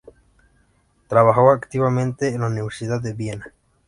Trabajó activamente en la Universidad de Viena.